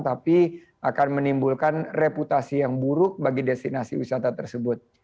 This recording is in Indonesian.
tapi akan menimbulkan reputasi yang buruk bagi destinasi wisata tersebut